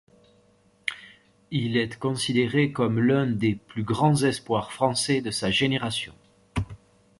Il est considéré comme l'un des plus grands espoirs français de sa génération.